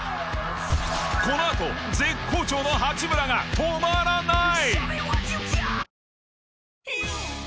このあと絶好調の八村が止まらない！